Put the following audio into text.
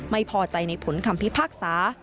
ไม่พอใจในผลคำพิพากษา